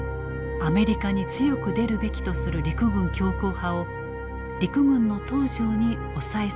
アメリカに強く出るべきとする陸軍強硬派を陸軍の東條に抑えさせる。